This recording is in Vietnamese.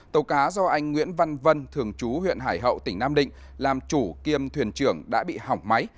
tàu cá do anh nguyễn văn vân thường chú huyện hải hậu tỉnh nam định làm chủ kiêm thuyền trưởng đã bị hỏng máy